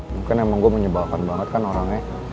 mungkin emang gue menyebalkan banget kan orangnya